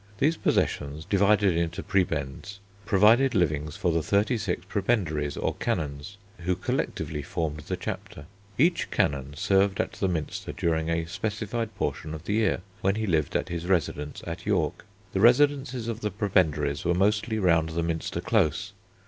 These possessions, divided into prebends, provided livings for the thirty six prebendaries or canons, who collectively formed the Chapter. Each canon served at the Minster during a specified portion of the year, when he lived at his residence at York. The residences of the prebendaries were mostly round the Minster Close.